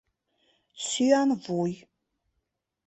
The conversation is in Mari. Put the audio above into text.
Сӱанвуй.